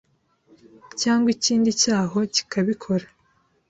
cyangwa ikindi cyaho kikabikora